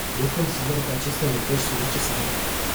Eu consider că aceste lucruri sunt necesare.